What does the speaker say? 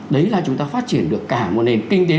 đấy là chúng ta phát triển được cả một nền kinh tế